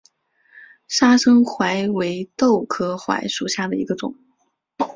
砂生槐为豆科槐属下的一个种。